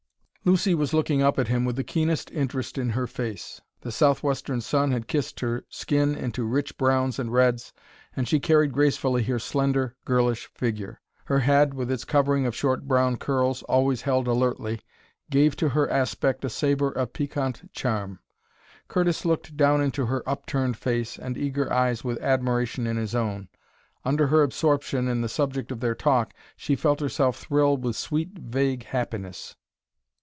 Lucy was looking up at him with the keenest interest in her face. The southwestern sun had kissed her skin into rich browns and reds, and she carried gracefully her slender girlish figure. Her head, with its covering of short brown curls, always held alertly, gave to her aspect a savor of piquant charm. Curtis looked down into her upturned face and eager eyes with admiration in his own. Under her absorption in the subject of their talk she felt herself thrill with sweet, vague happiness.